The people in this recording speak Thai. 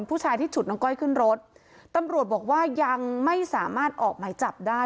ผู้ชายที่ฉุดน้องก้อยขึ้นรถตำรวจบอกว่ายังไม่สามารถออกหมายจับได้